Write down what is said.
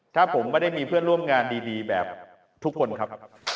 ถ้าผมไม่ได้มีเพื่อนร่วมงานดีแบบทุกคนครับ